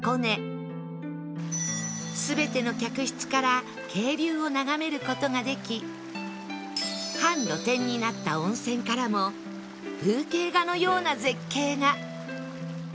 全ての客室から渓流を眺める事ができ半露天になった温泉からも風景画のような絶景が！